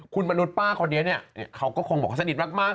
คุณมนุษย์ป้าคนนี้เนี่ยเขาก็คงบอกว่าสนิทมาก